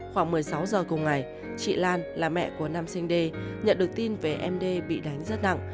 khoảng một mươi sáu giờ cùng ngày chị lan là mẹ của nam sinh d nhận được tin về em đê bị đánh rất nặng